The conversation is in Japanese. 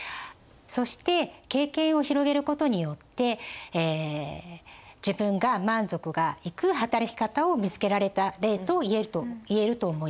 そして経験を広げることによって自分が満足がいく働き方を見つけられた例と言えると思います。